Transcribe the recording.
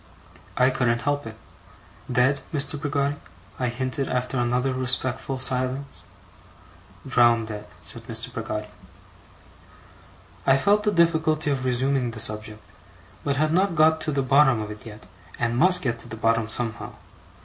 I couldn't help it. ' Dead, Mr. Peggotty?' I hinted, after another respectful silence. 'Drowndead,' said Mr. Peggotty. I felt the difficulty of resuming the subject, but had not got to the bottom of it yet, and must get to the bottom somehow.